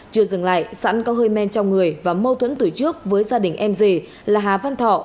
chưa dừng lại sẵn có hơi men trong người và mâu thuẫn từ trước với gia đình em dì là hà văn thọ